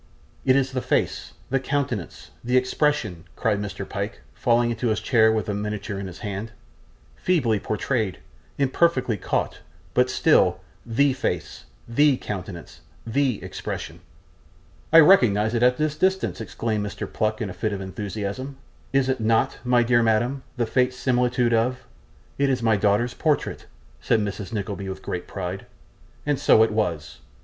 'It is the face, the countenance, the expression,' cried Mr. Pyke, falling into his chair with a miniature in his hand; 'feebly portrayed, imperfectly caught, but still THE face, THE countenance, THE expression.' 'I recognise it at this distance!' exclaimed Mr. Pluck in a fit of enthusiasm. 'Is it not, my dear madam, the faint similitude of ' 'It is my daughter's portrait,' said Mrs. Nickleby, with great pride. And so it was.